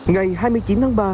ngày hai mươi chín tháng ba